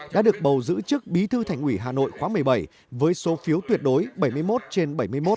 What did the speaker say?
đã được bầu giữ chức bí thư thành ủy hà nội khóa một mươi bảy với số phiếu tuyệt đối bảy mươi một trên bảy mươi một